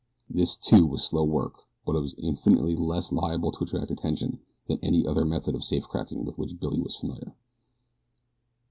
This, too, was slow work; but it was infinitely less liable to attract attention than any other method of safe cracking with which Billy was familiar.